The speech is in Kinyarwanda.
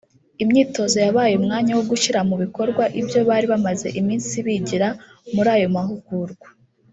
Imyitozo yabaye umwanya wa gushyira mu bikorwa ibyo bari bamaze iminsi bigira muri ayo mahugurwa